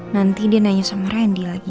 nanti dia nanya sama randy lagi